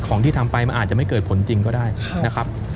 ที่ทำไปมันอาจจะไม่เกิดผลจริงก็ได้นะครับ